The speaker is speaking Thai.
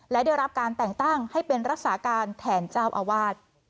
และได้รับการแต่งตั้งให้เป็นรักษาการแทนเจ้าอาวาส